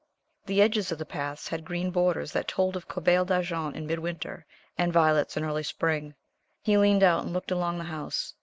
The edges of the paths had green borders that told of Corbeil d'Argent in Midwinter, and violets in early spring. He leaned out and looked along the house.